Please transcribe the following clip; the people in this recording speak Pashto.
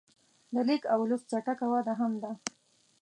د لیک او لوست چټکه وده هم ده.